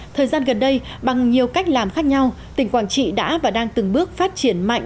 thời gian gần đây bằng nhiều cách làm khác nhau tỉnh quảng trị đã và đang từng bước phát triển mạnh